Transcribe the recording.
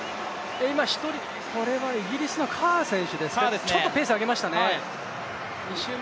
今、イギリスのカー選手がちょっとペースを上げましたね。